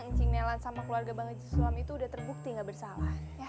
engcing nelan sama keluarga bang haji sulam itu udah terbukti nggak bersalah